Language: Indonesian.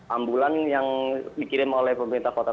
ambulan yang dikirim oleh pemerintah kota